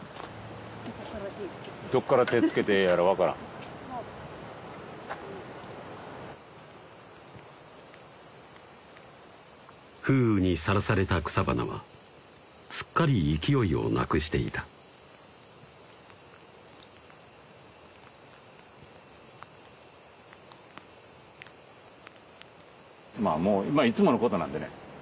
どっから手ぇつけてええやら分からん風雨にさらされた草花はすっかり勢いをなくしていたまぁもういつものことなんでね